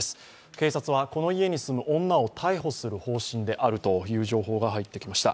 警察はこの家に住む女を逮捕する方針であるという情報が入ってきました。